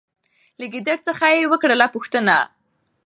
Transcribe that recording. له ګیدړ څخه یې وکړله پوښتنه